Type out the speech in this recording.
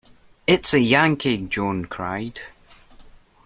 It's a Yankee, Joan cried.